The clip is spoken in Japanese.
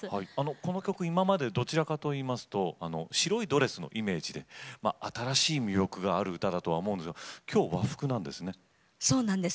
この曲はどちらかというと今まで白いドレスのイメージで新しい魅力のある歌だと思うんですけどそうなんです。